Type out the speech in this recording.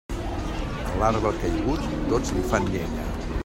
A l'arbre caigut, tots li fan llenya.